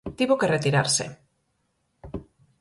Tivo que retirarse.